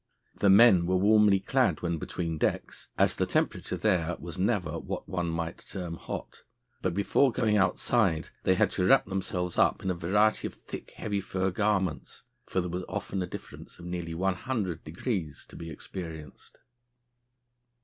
The men were warmly clad when "between decks," as the temperature there was never what one might term hot; but before going outside they had to wrap themselves up in a variety of thick heavy fur garments, for there was often a difference of nearly one hundred degrees to be experienced.